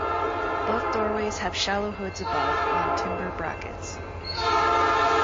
Both doorways have shallow hoods above on timber brackets.